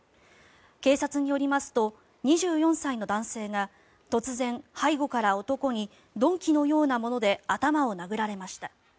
警察によりますと２４歳の男性が突然、背後から男に鈍器のようなもので頭を殴られました。